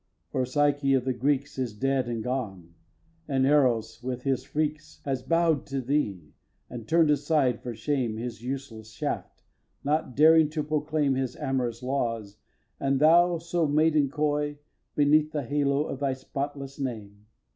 For Psyche of the Greeks Is dead and gone; and Eros with his freaks Has bow'd to thee, and turn'd aside, for shame, His useless shaft, not daring to proclaim His amorous laws, and thou so maiden coy Beneath the halo of thy spotless name!